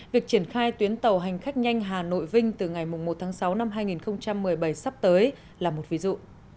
việc triển khai tuyến tàu hành khách nhanh hà nội vinh từ ngày một tháng sáu năm hai nghìn một mươi bảy sắp tới là một ví dụ